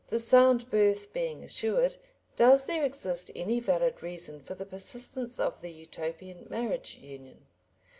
The sound birth being assured, does there exist any valid reason for the persistence of the Utopian marriage union?